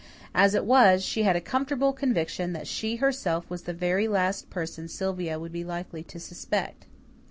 As it was, she had a comfortable conviction that she herself was the very last person Sylvia would be likely to suspect.